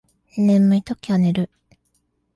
眠いときは寝る